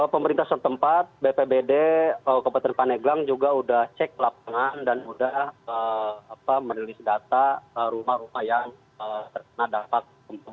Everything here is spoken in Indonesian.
pemerintah setempat bpbd kabupaten paneglang juga sudah cek lapangan dan sudah merilis data rumah rumah yang terkena dampak